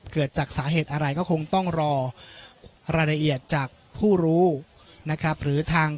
เกิดจากสาเหตุอะไรก็คงต้องรอรายละเอียดจากผู้รู้นะครับหรือทาง